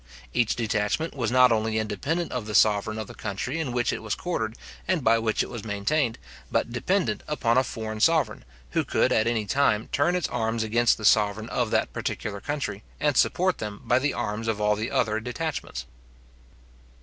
Each detachment was not only independent of the sovereign of the country in which it was quartered, and by which it was maintained, but dependent upon a foreign sovereign, who could at any time turn its arms against the sovereign of that particular country, and support them by the arms of all the other detachments.